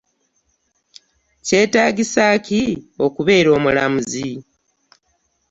Kyetagisa ki okubeera omulamuzi?